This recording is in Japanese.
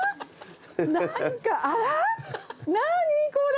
何かあら⁉何⁉これ。